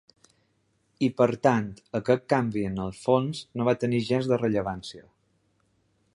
I, per tant, aquest canvi en el fons no va tenir gens de rellevància.